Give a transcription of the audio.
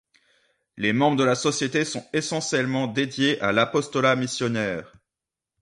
Les membres de la société sont essentiellement dédiés à l'apostolat missionnaire.